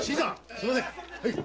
すみません！